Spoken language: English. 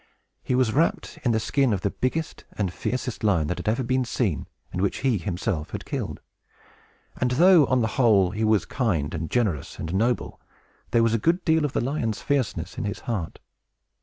He was wrapt in the skin of the biggest and fiercest lion that ever had been seen, and which he himself had killed; and though, on the whole, he was kind, and generous, and noble, there was a good deal of the lion's fierceness in his heart.